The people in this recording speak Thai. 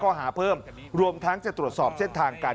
จะพร้อมเปิดรวมทั้งจะตรวจสอบเส้นทาง